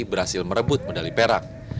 berhasil merebut medali perak